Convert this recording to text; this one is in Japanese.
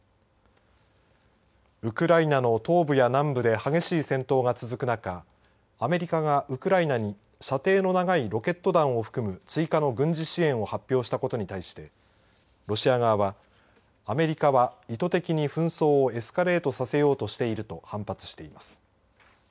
ウクライナの東部や南部で激しい戦闘が続く中アメリカがウクライナに射程の長いロケット弾を含む追加の軍事支援を発表したことに対してロシア側はアメリカは意図的に紛争をエスカレートさせようとしていると反発しています。